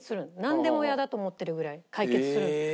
なんでも屋だと思ってるぐらい解決するの。